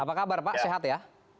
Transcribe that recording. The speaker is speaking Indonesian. apa kabar pak sehat ya